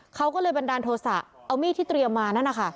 เขาก็เลยบันดาลโทษะเอามีดที่เตรียมมานั่นนะคะ